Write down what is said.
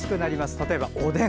例えば、おでん。